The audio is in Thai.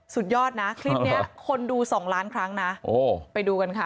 สุดยอดนะคลิปนี้คนดูสองล้านครั้งนะไปดูกันค่ะ